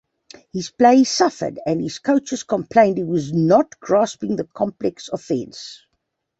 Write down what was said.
His play suffered and his coaches complained he was not grasping the complex offense.